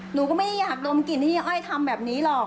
หนูก็ไม่ได้อยากดมกลิ่นที่อ้อยทำแบบนี้หรอก